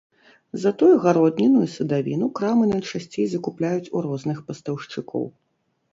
Затое гародніну і садавіну крамы найчасцей закупляюць у розных пастаўшчыкоў.